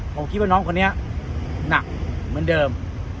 ผมคิดว่าน้องคนนี้หนักเหมือนเดิม